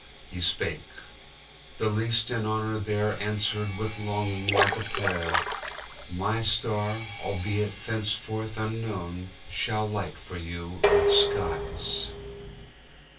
"He spake. The least in honor thereAnswered with longing like a prayer,— "My star, albeit thenceforth unknown, Shall light for you Earth's skies."